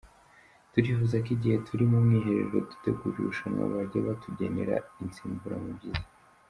Turifuza ko igihe turi mu mwiherero dutegura irushanwa bajya batugenera insimburamubyizi.